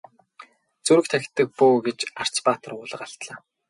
Зүрх тахидаг бөө гэж Арц баатар уулга алдлаа.